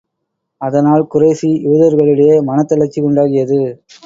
அதனால் குறைஷி, யூதர்களிடையே மனத்தளர்ச்சி உண்டாகியது.